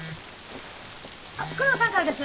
あっ久能さんからです！